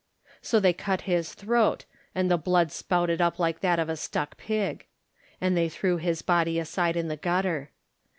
So they cut his throat, and the blood spouted up like that of a stuck pig. And they threw his body aside in the gutter.